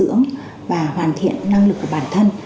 dưỡng và hoàn thiện năng lực của bản thân